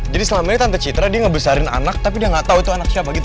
jadi selama ini tante citra dia ngebesarin anak tapi dia gak tau itu anak siapa gitu